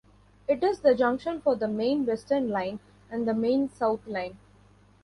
It is the junction for the Main Western line and the Main South line.